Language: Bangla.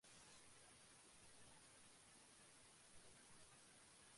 তবে শেষমেশ দুই পক্ষ আলোচনায় নাও বসতে পারে বলে আশঙ্কা করা হচ্ছিল।